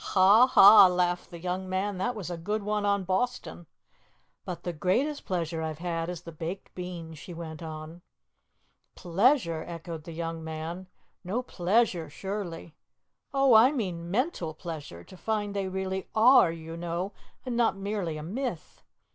'" "Ha, ha!" laughed the young man. "That was a good one on Boston." "But the greatest pleasure I've had is the baked beans," she went on. "Pleasure!" echoed the young man. "No pleasure, surely." "Oh, I mean mental pleasure, to find they really are, you know, and not merely a myth.